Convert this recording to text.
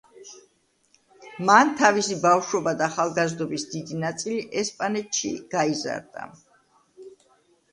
მან თავისი ბავშვობა და ახალგაზრდობის დიდი ნაწილი ესპანეთში გაიზარდა.